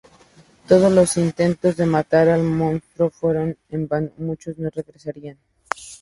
Todos los intentos de matar al monstruo fueron en vano, muchos no regresarían.